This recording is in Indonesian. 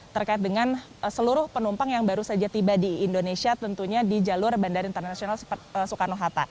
terkait dengan seluruh penumpang yang baru saja tiba di indonesia tentunya di jalur bandara internasional soekarno hatta